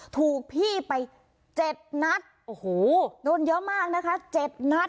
ถูกพี่ไป๗นัดโอ้โหโดนเยอะมากนะคะ๗นัด